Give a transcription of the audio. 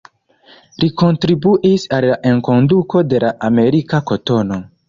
Li kontribuis al la enkonduko de la amerika kotono.